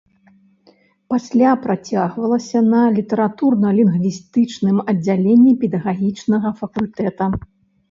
Пасля працягвалася на літаратурна-лінгвістычным аддзяленні педагагічнага факультэта.